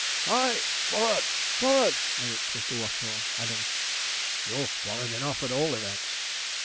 'Ay, for rard! for rard!' mimicked Mr. Watchorn; adding, 'you're for rard enough, at all events.'